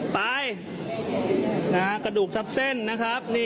ไปกระดูกท่าเซ่นนะครับ